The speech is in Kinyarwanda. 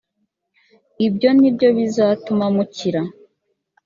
ibyo ni byo bizatuma mukira